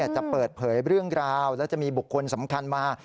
จะเปิดเผยเรื่องราวและจะมีบุคคลสำคัญมา